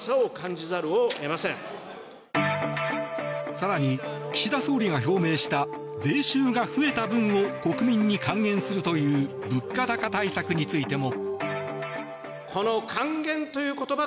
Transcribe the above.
更に、岸田総理が表明した税収が増えた分を国民に還元するという物価高対策についても。